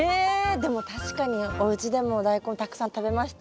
でも確かにおうちでもダイコンたくさん食べました。